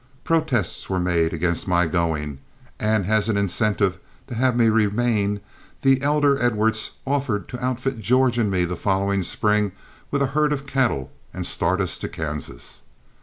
Protests were made against my going, and as an incentive to have me remain, the elder Edwards offered to outfit George and me the following spring with a herd of cattle and start us to Kansas.